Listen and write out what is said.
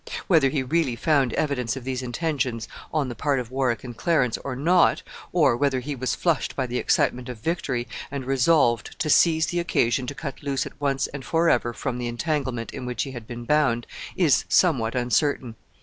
Whether he really found evidence of these intentions on the part of Warwick and Clarence or not, or whether he was flushed by the excitement of victory, and resolved to seize the occasion to cut loose at once and forever from the entanglement in which he had been bound, is somewhat uncertain.